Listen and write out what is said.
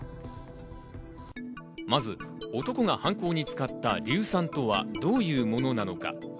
まず男が犯行に使った硫酸とはどういうものなのか？